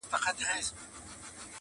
له هراته تر زابله سره یو کور د افغان کې٫